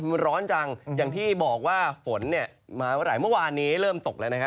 มันร้อนจังอย่างที่บอกว่าฝนมามาว่าวานนี้เริ่มตกแล้วนะครับ